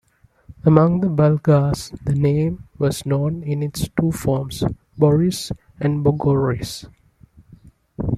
Among the Bulgars the name was known in its two forms: "Boris" and "Bogoris".